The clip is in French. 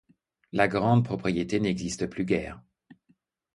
La grande propriété n'existe plus guère.